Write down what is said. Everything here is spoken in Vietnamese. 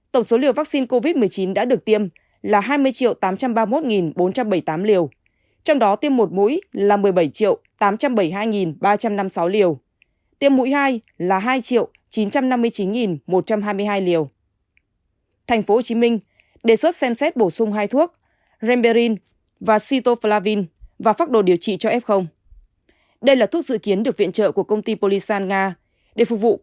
tổng số liều vaccine covid một mươi chín đã được tiêm là hai mươi tám trăm ba mươi một bốn trăm bảy mươi tám liều trong đó tiêm một mũi là một mươi bảy tám trăm bảy mươi hai ba trăm năm mươi sáu liều tiêm mũi hai là hai chín trăm năm mươi chín một trăm hai mươi hai liều